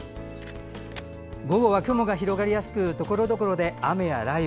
午後は雲が広がりやすくところどころで雨や雷雨。